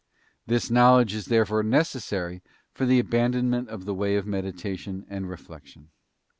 This knowledge is therefore necessary for _ the abandonment of the way of meditation and reflection.